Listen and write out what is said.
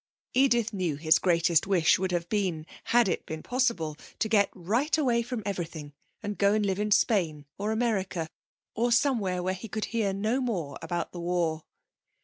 Edith knew his greatest wish would have been, had it been possible, to get right away from everything and go and live in Spain or America, or somewhere where he could hear no more about the war.